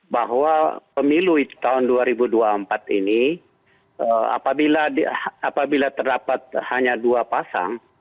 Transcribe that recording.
bahwa pemilu tahun dua ribu dua puluh empat ini apabila terdapat hanya dua pasang